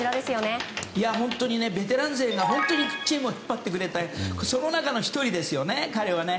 本当にベテラン勢がチームを引っ張ってくれてその中の１人ですよね、彼は。